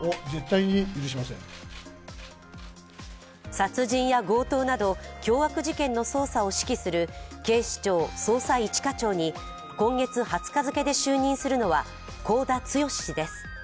殺人や強盗など凶悪事件の捜査を指揮する警視庁捜査一課長に今月２０日付で就任するのは国府田剛氏です。